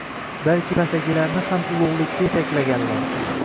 Balki pastdagilarni ham ulugʻlikka yetaklaganlar.